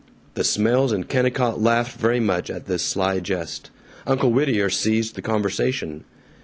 The Smails and Kennicott laughed very much at this sly jest. Uncle Whittier seized the conversation.